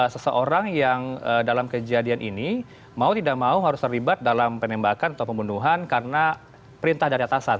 seseorang yang dalam kejadian ini mau tidak mau harus terlibat dalam penembakan atau pembunuhan karena perintah dari atasan